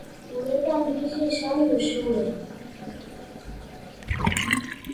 Urtetan bizi izan duzue.